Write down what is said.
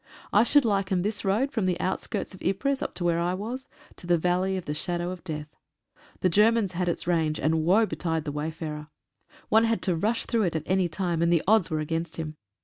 I should liken this road from the outskirts of Ypres, up to where I was, to the Valley of the Shadow of Death. The Germans had its range, and woe betide the wayfarer. One had to rush through it at any time, and the odds were against him.